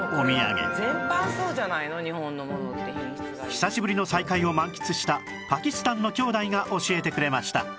久しぶりの再会を満喫したパキスタンの兄弟が教えてくれました